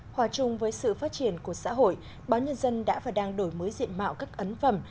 hòa chung với sự phát triển của xã hội báo nhân dân đã và đang đổi mới diện mạo các ấn phẩm